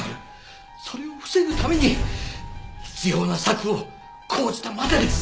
それを防ぐために必要な策を講じたまでです。